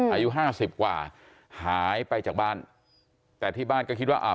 อายุห้าสิบกว่าหายไปจากบ้านแต่ที่บ้านก็คิดว่าอ่า